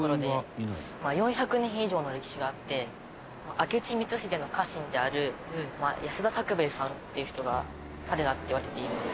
明智光秀の家臣である安田作兵衛さんっていう人が建てたっていわれています。